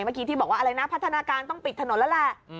เมื่อกี้ที่บอกว่าอะไรนะพัฒนาการต้องปิดถนนแล้วแหละ